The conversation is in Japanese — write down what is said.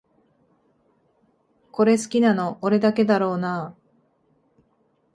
これ好きなの俺だけだろうなあ